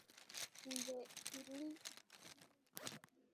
Kinjekitile alilaghai watu kwamba yeye anafahamu sayansi ya kijadi